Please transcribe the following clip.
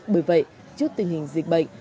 bởi vậy trước tình hình dịch bệnh